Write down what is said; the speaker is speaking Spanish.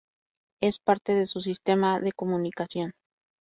Es parte de su sistema de comunicación.